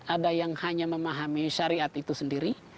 ada yang hanya memahami syariat itu sendiri